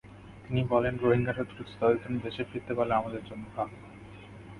তিনি বলেন, রোহিঙ্গারা দ্রুত তাদের দেশে ফিরতে পারলে আমাদের জন্য ভালো।